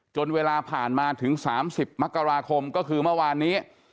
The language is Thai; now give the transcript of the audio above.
จนเวลาผ่านมาถึง๓๐มกราคมก็คือเมื่อวานนี้